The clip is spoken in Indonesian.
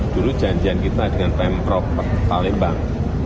dulu janjian kita dengan pm prop palembang